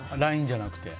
ＬＩＮＥじゃなくて？